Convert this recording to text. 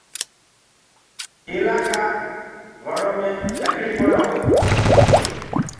ڪيلآ ڪآ وڻو مي لڪڙي ڪونآ هوئي۔